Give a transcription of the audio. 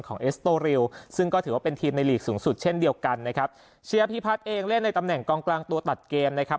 ก็ถือว่าเป็นทีมในลีกสูงสุดเช่นเดียวกันนะครับเชียวพี่พัดเองเล่นในตำแหน่งกองกลางตัวตัดเกมนะครับ